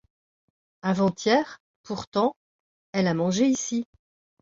Avant-hier, pourtant, elle a mangé ici.